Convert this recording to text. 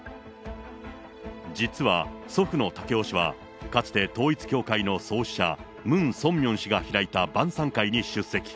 実は祖父の赳夫氏は、かつて統一教会の創始者、ムン・ソンミョン氏が開いた晩さん会に出席。